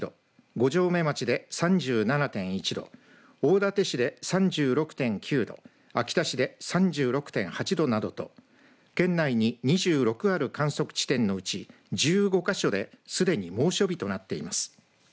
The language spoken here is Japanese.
五城目町で３７．１度大館市で３６．９度秋田市で３６．８度などと県内に２６ある観測地点のうち１５か所ですでに猛暑日となっています。